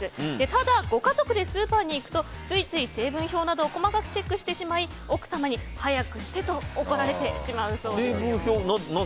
ただ、ご家族でスーパーに行くとついつい成分表などを細かくチェックしてしまい奥様に早くして！と怒られてしまうそうですよ。